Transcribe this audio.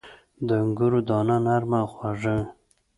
• د انګورو دانه نرمه او خواږه وي.